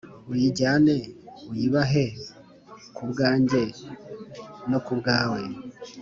uyijyane uyibahe ku bwanjye no ku bwawe.